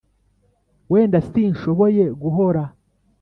Wenda sinshoboye guhora